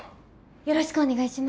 よろしくお願いします。